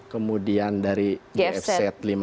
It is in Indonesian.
kemudian dari gfz lima enam